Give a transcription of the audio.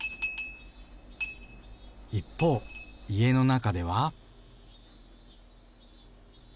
一方家の中では。